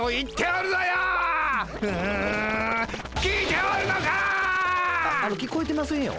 ああの聞こえてませんよ。